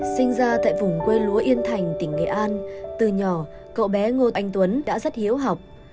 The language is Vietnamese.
sinh ra tại vùng quê lúa yên thành tỉnh nghệ an từ nhỏ cậu bé ngô anh tuấn đã rất hiếu học